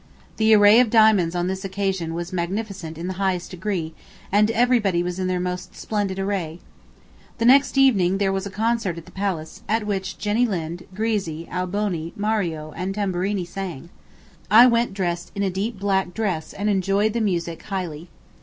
The array of diamonds on this occasion was magnificent in the highest degree, and everybody was in their most splendid array. The next evening there was a concert at the Palace, at which Jenny Lind, Grisi, Alboni, Mario, and Tamburini sang. I went dressed in [a] deep black dress and enjoyed the music highly.